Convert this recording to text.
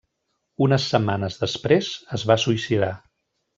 Unes setmanes després, es va suïcidar.